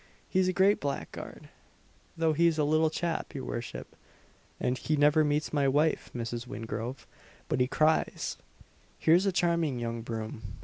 He's a great blackguard, though he's a little chap, your worship; and he never meets my wife, Mrs. Wingrove, but he cries 'Here's a charming young broom!'